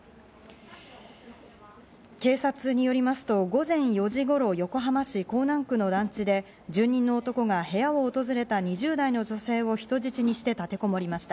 警察によりますと午前４時頃、横浜市港南区の団地で住人の男が部屋を訪れた２０代の女性を人質にして立てこもりました。